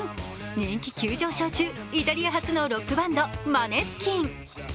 人気急上昇中、イタリア発のロックバンド、マネスキン。